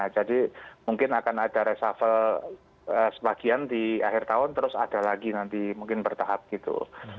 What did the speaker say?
jadi mungkin akan ada resafel sebagian di akhir tahun terus ada lagi nanti mungkin bertahap gitu